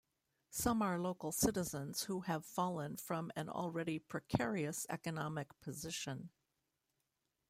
Some are local citizens who have fallen from an already precarious economic position.